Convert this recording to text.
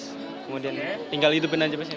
kemudian tinggal hidupin aja mas ini